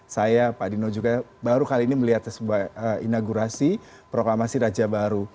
saya pak dino juga baru kali ini melihat sebuah inaugurasi proklamasi raja baru